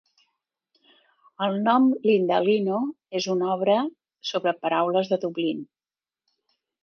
El nom Lindalino és una obra sobre paraules de Dublin.